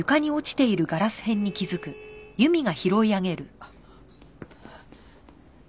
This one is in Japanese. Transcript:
あっ。